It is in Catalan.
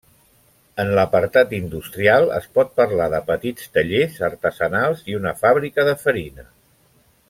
En l'apartat industrial es pot parlar de petits tallers artesanals i una fàbrica de farina.